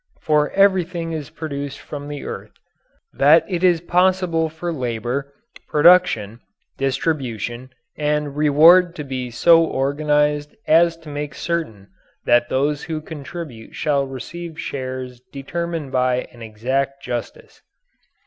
For everything is produced from the earth. That it is possible for labour, production, distribution, and reward to be so organized as to make certain that those who contribute shall receive shares determined by an exact justice.